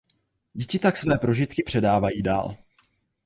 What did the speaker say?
Děti tak své prožitky předávají dál.